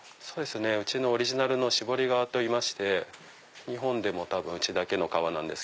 うちのオリジナルの絞り革といいまして日本で多分うちだけの革です。